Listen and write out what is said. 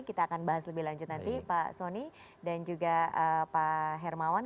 kita akan bahas lebih lanjut nanti pak soni dan juga pak hermawan